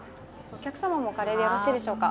お客様もカレーでよろしいでしょうか？